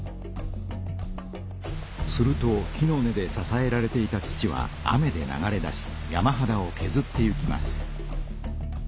すると木の根でささえられていた土は雨で流れ出し山はだをけずっていきます。